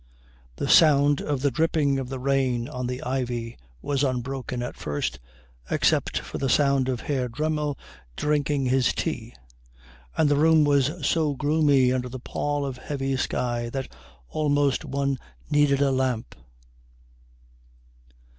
The sound of the dripping of the rain on the ivy was unbroken at first except by the sound of Herr Dremmel drinking his tea, and the room was so gloomy under the pall of heavy sky that almost one needed a lamp.